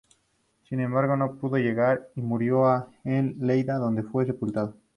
Sin embargo, no pudo llegar, y murió en Lleida, donde fue sepultado.